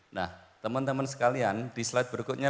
nah teman teman sekalian di slide berikutnya